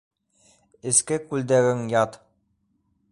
Эске күлдәгең ят...